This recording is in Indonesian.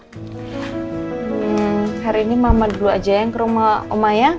hari ini mama dulu aja yang ke rumah oma ya